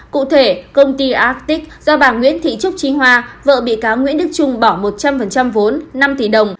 cụ thể công ty astic do bà nguyễn thị trúc trí hoa vợ bị cáo nguyễn đức trung bỏ một trăm linh vốn năm tỷ đồng